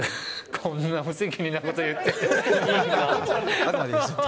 こんな無責任なこと言っていいのかな。